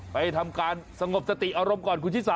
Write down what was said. ไปทำการสงบสติอารมณ์ก่อนคุณชิสา